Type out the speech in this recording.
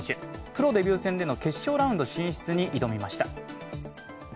プロデビュー戦での決勝ラウンド進出に挑みました。